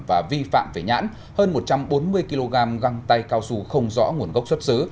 và vi phạm về nhãn hơn một trăm bốn mươi kg găng tay cao su không rõ nguồn gốc xuất xứ